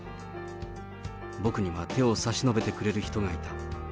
僕には手を差し伸べてくれる人がいた。